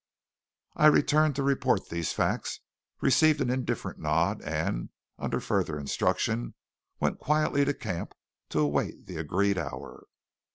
I returned to report these facts, received an indifferent nod, and, under further instruction, went quietly to camp to await the agreed hour.